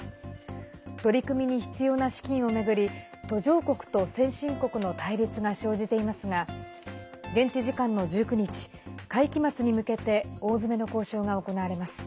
取り組みに必要な資金を巡り途上国と先進国の対立が生じていますが現地時間の１９日会期末に向けて大詰めの交渉が行われます。